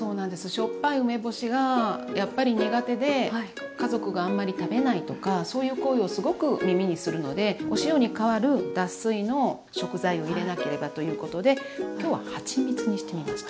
しょっぱい梅干しがやっぱり苦手で家族があんまり食べないとかそういう声をすごく耳にするのでお塩に代わる脱水の食材を入れなければということで今日ははちみつにしてみました。